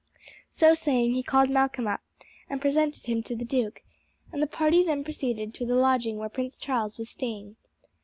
So saying he called Malcolm up and presented him to the duke, and the party then proceeded to the lodging where Prince Charles was staying.